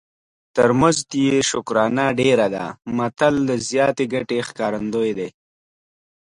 تر مزد یې شکرانه ډېره ده متل د زیاتې ګټې ښکارندوی دی